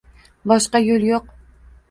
Boshqa yo'l yo'q